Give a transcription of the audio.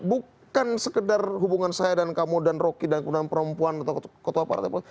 bukan sekedar hubungan saya dan kamu dan roky dan perempuan atau ketua partai